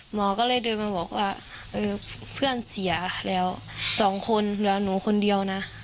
หมอก็เลยเดินมาบอกว่าเออเพื่อนเสียแล้วสองคนเหลือหนูคนเดียวนะ